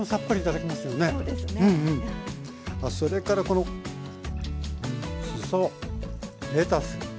それからこのしそレタス